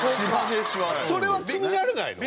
それは気にならないの？